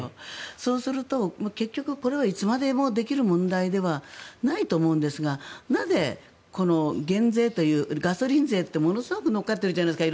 そうすると結局これはいつまでもできる問題ではないと思うんですがなぜガソリン税ってものすごく乗っかってるじゃないですか。